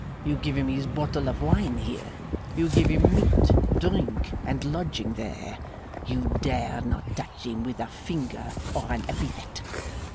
You give him his bottle of wine here; you give him meat, drink, and lodging there; you dare not touch him with a finger or an epithet.